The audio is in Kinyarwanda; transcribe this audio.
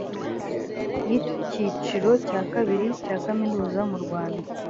y icyiciro cya kabiri cya kaminuza mu rwanda